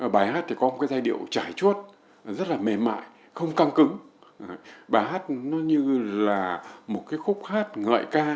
bài hát thì có một cái giai điệu trải chuốt rất là mềm mại không căng cứng